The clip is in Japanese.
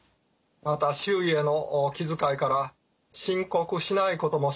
また周囲への気遣いから申告しないこともしばしばあります。